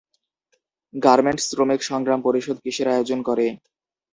Garments শ্রমিক সংগ্রাম পরিষদ কিসের আয়োজন করে?